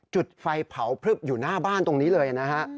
จุดไฟเผาพลึบอยู่หน้าบ้านตรงนี้เลยนะฮะ